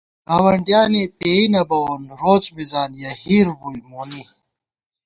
گاوَنڈیانے پېئ نہ بَوون روڅ مِزان یَہ ہِیر بُوئی مونی